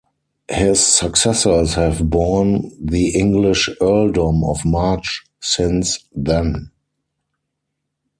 His successors have borne the English earldom of March since then.